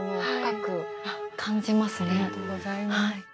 ありがとうございます。